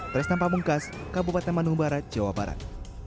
presnampah bungkas kabupaten manung barat jawa barat